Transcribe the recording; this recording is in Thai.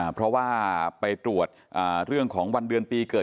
เพราะว่าไปตรวจเรื่องของวันเดือนปีเกิด